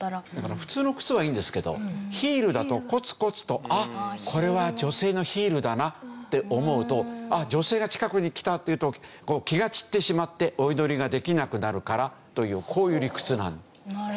普通の靴はいいんですけどヒールだと「コツコツ」とあっこれは女性のヒールだなって思うと女性が近くに来たっていうと気が散ってしまってお祈りができなくなるからというこういう理屈なんですよ。